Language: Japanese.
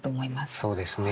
そうですね。